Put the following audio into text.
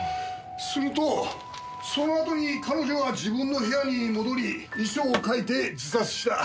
するとそのあとに彼女は自分の部屋に戻り遺書を書いて自殺した。